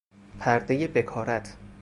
پردهٔ بکارت